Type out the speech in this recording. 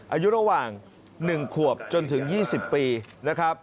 อายุระหว่าง๑ขวบจนถึง๒๐ปีนะครับ